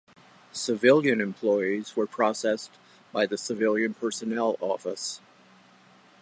Civilian employees were processed by the Civilian Personnel Office.